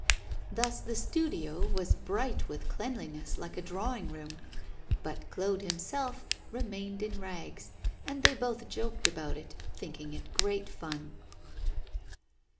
Thus the studio was bright with cleanliness like a drawing room, but Claude himself remained in rags, and they both joked about it, thinking it great fun.